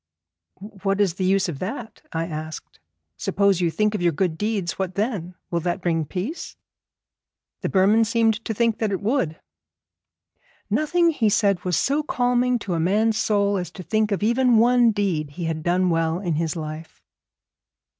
"' 'What is the use of that?' I asked. 'Suppose you think of your good deeds, what then? Will that bring peace?' The Burman seemed to think that it would. 'Nothing,' he said, 'was so calming to a man's soul as to think of even one deed he had done well in his life.'